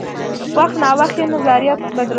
وخت نا وخت یې نظریات بدلول.